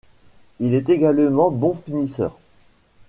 Il est également bon finisseur.